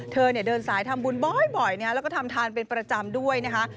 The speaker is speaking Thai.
เดินสายทำบุญบ่อยแล้วก็ทำทานเป็นประจำด้วยนะคะ